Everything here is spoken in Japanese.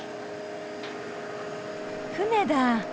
船だ。